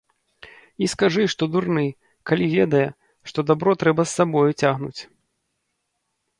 І скажы, што дурны, калі ведае, што дабро трэба з сабою цягнуць.